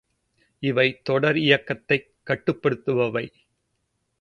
இவை தொடர் இயக்கத்தைக் கட்டுப்படுத்துபவை.